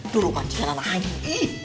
duru kan cinta tanah anjing